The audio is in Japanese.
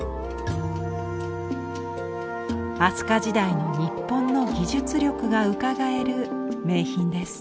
飛鳥時代の日本の技術力がうかがえる名品です。